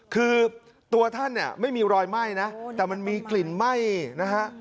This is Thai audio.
คือตัวท่านเนี่ยไม่มีรอยไหม้นะแต่มันมีกลิ่นไหม้นะฮะ